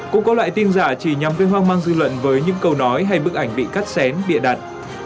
cũng có loại tin giả chỉ nhằm gây hoang mang dư luận với những câu nói hay bức ảnh bị cắt xén bịa đặt